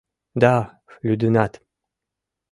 — Да, лӱдынат!